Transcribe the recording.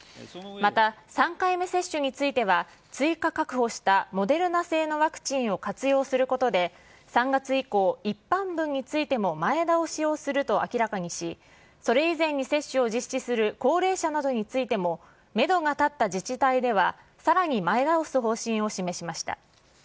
また、３回目接種については、追加確保したモデルナ製のワクチンを活用することで、３月以降、一般分についても前倒しをすると明らかにし、それ以前に接種を実施する高齢者などについても、メドが立った自治体ではさらに前倒す方針を示しました。